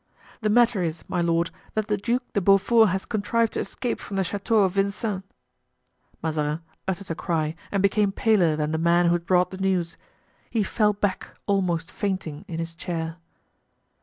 "The matter is, my lord, that the Duc de Beaufort has contrived to escape from the Chateau of Vincennes." Mazarin uttered a cry and became paler than the man who had brought the news. He fell back, almost fainting, in his chair.